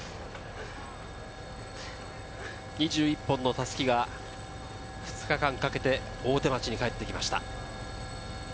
２１本の襷が２日間かけて大手町に帰ってきました。